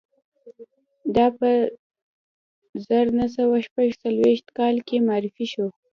دا په زر نه سوه شپږ څلویښت کال کې معرفي شو